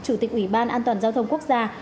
ủy ban an toàn giao thông quốc gia